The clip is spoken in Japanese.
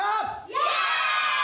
イエーイ！